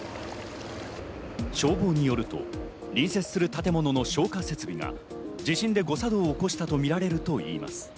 消防によると、隣接する建物の消火設備が地震で誤作動を起こしたとみられるといいます。